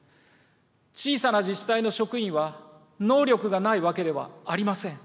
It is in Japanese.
小さな自治体の職員は能力がないわけではありません。